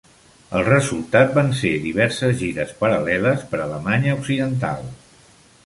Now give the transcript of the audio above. El resultat van ser diverses gires paral·leles per Alemanya Occidental.